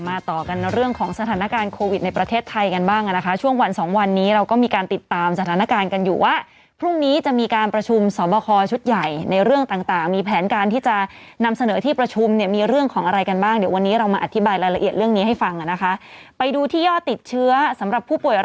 ต่อกันเรื่องของสถานการณ์โควิดในประเทศไทยกันบ้างอ่ะนะคะช่วงวันสองวันนี้เราก็มีการติดตามสถานการณ์กันอยู่ว่าพรุ่งนี้จะมีการประชุมสอบคอชุดใหญ่ในเรื่องต่างต่างมีแผนการที่จะนำเสนอที่ประชุมเนี่ยมีเรื่องของอะไรกันบ้างเดี๋ยววันนี้เรามาอธิบายรายละเอียดเรื่องนี้ให้ฟังอ่ะนะคะไปดูที่ยอดติดเชื้อสำหรับผู้ป่วย